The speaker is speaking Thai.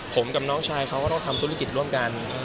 ผมกับน้องชายเขาก็ต้องทำธุรกิจร่วมกัน